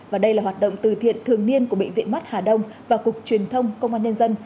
và đây là hoạt động từ thiện thường niên của bệnh viện mắt hà đông và cục truyền thông công an nhân dân